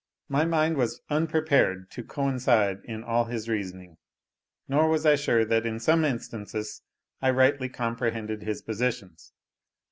My mind was unprepared to coincide in all his reasoning, nor was I sure that in some instances I rightly comprehended his positions.